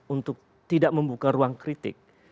untuk tidak membuka ruang kritik